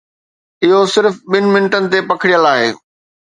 اهو صرف ٻن منٽن تي پکڙيل آهي.